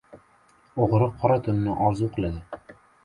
• O‘g‘ri qora tunni orzu qiladi.